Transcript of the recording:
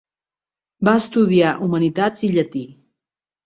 Va estudiar humanitats i llatí.